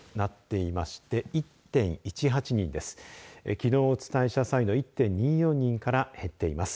きのうお伝えした際の４．３４人から減っています。